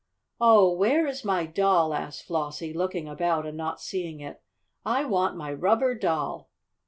"Oh, where is my doll?" asked Flossie, looking about and not seeing it. "I want my rubber doll!"